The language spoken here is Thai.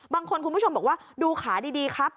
คุณผู้ชมบอกว่าดูขาดีครับ